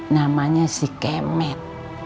namanya si kemet